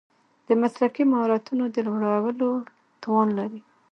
د مسلکي مهارتونو د لوړولو توان لري.